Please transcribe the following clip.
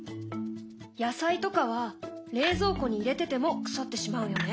野菜とかは冷蔵庫に入れてても腐ってしまうよね。